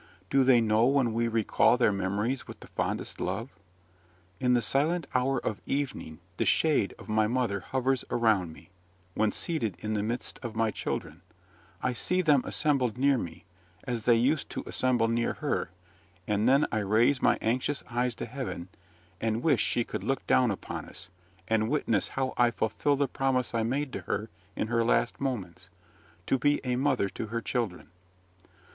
do they know when we recall their memories with the fondest love? In the silent hour of evening the shade of my mother hovers around me; when seated in the midst of my children, I see them assembled near me, as they used to assemble near her; and then I raise my anxious eyes to heaven, and wish she could look down upon us, and witness how I fulfil the promise I made to her in her last moments, to be a mother to her children.